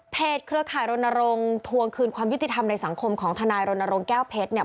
เครือข่ายรณรงค์ทวงคืนความยุติธรรมในสังคมของทนายรณรงค์แก้วเพชรเนี่ย